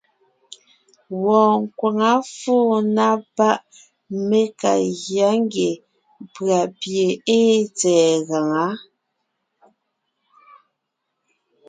Wɔɔn nkwaŋá fóo na páʼ mé ka gyá ngie pʉ̀a pie ée tsɛ̀ɛ gaŋá.